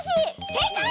せいかい！